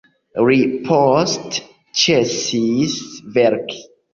Li poste ĉesis verki.